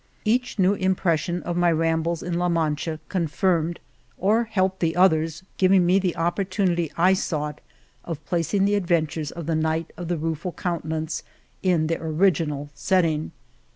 Each new impression of my rambles in La Mancha confirmed or helped the others, giving me the opportunity I sought of placing the ad ventures of the Knight of the Rueful Coun tenance in their original setting.